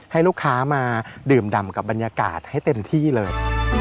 ให้ลูกค้ามาดื่มดำกับบรรยากาศให้เต็มที่เลย